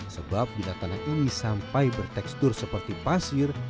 sebab bila tanah ini sampai bertekstur seperti pasir